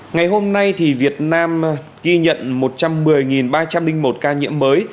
ngày hôm nay việt nam ghi nhận một trăm một mươi ba trăm linh một ca nhiễm mới